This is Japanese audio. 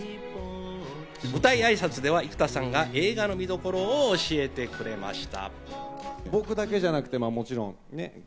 舞台挨拶では生田さんが映画の見どころを教えてくれました。